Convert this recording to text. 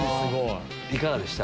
いかがでした？